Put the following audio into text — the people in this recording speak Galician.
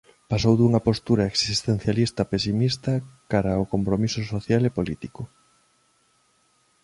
Pasou dunha postura existencialista pesimista cara ao compromiso social e político.